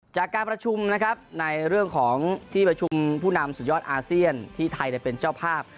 จากการประชุมนะครับในเรื่องของที่ประชุมผู้นำสุดยอดอาเซียนที่ไทยเป็นเจ้าภาพ